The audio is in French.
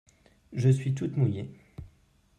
Je suis toute mouillée.